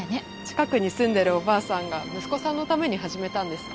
近くに住んでるおばあさんが息子さんのために始めたんです。